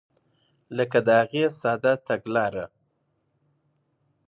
لکه د هغې ساده تګلاره.